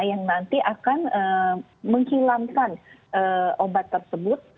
yang nanti akan menghilangkan obat tersebut